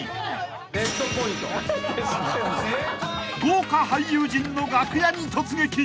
［豪華俳優陣の楽屋に突撃］